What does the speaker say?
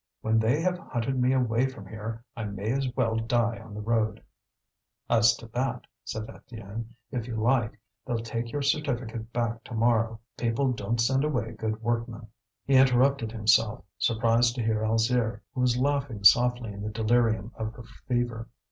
When they have hunted me away from here, I may as well die on the road." "As to that," said Étienne, "if you like, they'll take your certificate back to morrow. People don't send away good workmen." He interrupted himself, surprised to hear Alzire, who was laughing softly in the delirium of her fever.